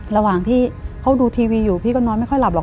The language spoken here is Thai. ระหว่างที่เขาดูทีวีอยู่พี่ก็นอนไม่ค่อยหลับหรอ